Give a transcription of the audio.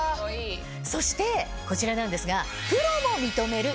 そしてこちらなんですが。